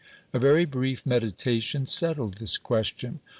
A very brief meditation settled this question.